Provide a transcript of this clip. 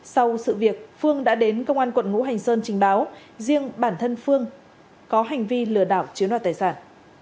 sau sự việc phương đã đến công an quận ngũ hành sơn trình báo riêng bản thân phương có hành vi lừa đảo chiếm đoạt tài sản